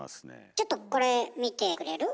ちょっとこれ見てくれる？